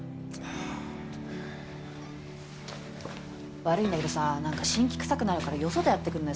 悪いんだけどさなんか辛気くさくなるからよそでやってくれない？